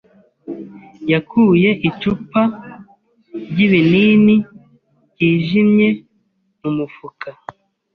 yakuye icupa ry'ibinini byijimye mu mufuka.